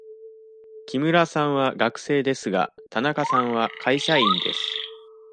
木村さんは学生ですが、田中さんは会社員です。